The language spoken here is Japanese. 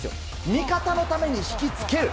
味方のために引き付ける。